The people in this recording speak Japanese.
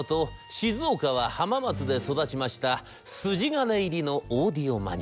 静岡は浜松で育ちました筋金入りのオーディオマニア。